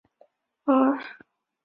不常流泪的眼睛